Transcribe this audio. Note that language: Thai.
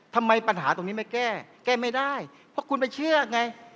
ทำไมปัญหาตรงนี้ไม่แก้แก้ไม่ได้เพราะคุณไปเชื่อไง